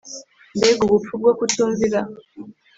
Mbega ubupfu bwo kutumvira